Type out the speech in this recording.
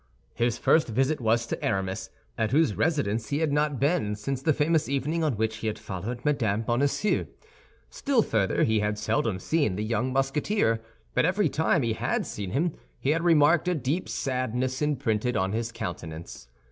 His first visit was to Aramis, at whose residence he had not been since the famous evening on which he had followed Mme. Bonacieux. Still further, he had seldom seen the young Musketeer; but every time he had seen him, he had remarked a deep sadness imprinted on his countenance.